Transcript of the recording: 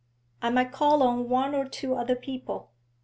'I might call on one or two other people.'